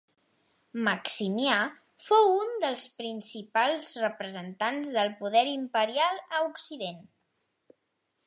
Maximià fou un dels principals representants del poder imperial a Occident.